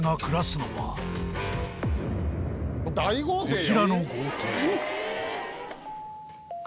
こちらの豪邸